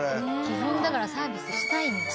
基本だからサービスしたいんだ。